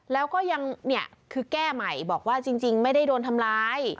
แล้วก็ยังเนี่ยคือแก้ใหม่บอกว่าจริงไม่ได้โดนทำร้าย